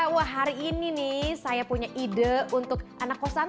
wah hari ini nih saya punya ide untuk anak kosan